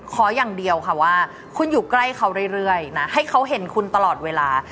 ขออย่างเดียวค่ะว่าคุณอยู่ใกล้เขาเรื่อยนะให้เขาเห็นคุณตลอดเวลา